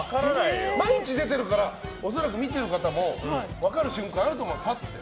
毎日出てるから恐らく見てる方も分かる瞬間あると思います。